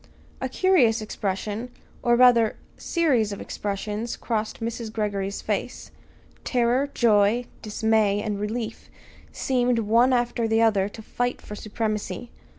A curious expression, or rather, series of expressions crossed Mrs. Greggory's face. Terror, joy, dismay, and relief seemed, one after the other to fight for supremacy.